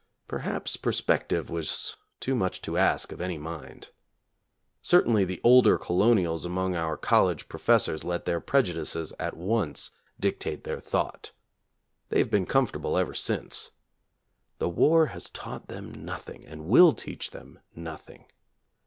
Per haps perspective was too much to ask of any mind. Certainly the older colonials among our college professors let their prejudices at once dictate their thought. They have been comfortable ever since. The war has taught them nothing and will teach them nothing.